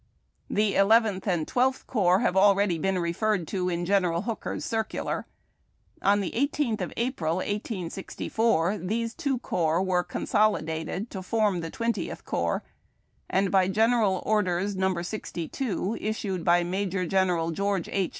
The Eleventh and Twelfth Corps have alread}' been referred to, in General Hooker's circular. On the 18th of April, 1864, tliese two corps were consolidated to form the Twentieth Corps, and by General Orders No. 62 issued by Major General George H.